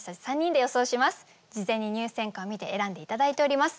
事前に入選歌を見て選んで頂いております。